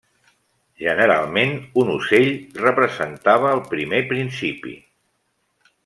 Generalment, un ocell representava el primer principi.